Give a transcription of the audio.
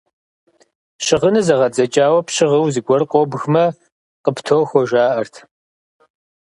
Щыгъыныр зэгъэдзэкӀауэ пщыгъыу зыгуэр къобгмэ, къыптохуэ, жаӀэрт.